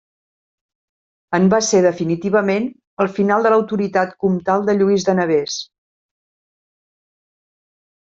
En va ser definitivament el final de l'autoritat comtal de Lluís de Nevers.